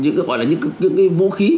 những cái gọi là những cái vũ khí